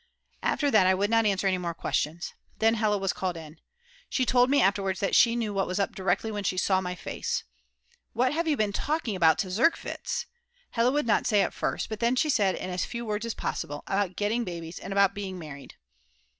After that I would not answer any more questions. Then Hella was called in. She told me afterwards that she knew what was up directly she saw my face. "What have you been talking about to Zerkwitz?" Hella would not say at first, but then she said in as few words as possible: "About getting babies, and about being married!"